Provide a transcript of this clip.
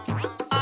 あ！